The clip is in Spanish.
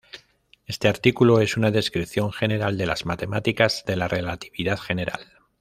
Este artículo es una descripción general de las matemáticas de la relatividad general.